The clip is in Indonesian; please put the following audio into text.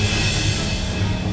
dia sudah berada di rumahnya